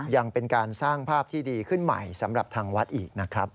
ยังเป็นการสร้างภาพที่ดีขึ้นใหม่สำหรับทางวัดอีกนะครับ